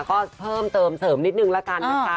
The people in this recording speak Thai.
ก็เพิ่มเติมเสริมนิดนึงละกันนะคะ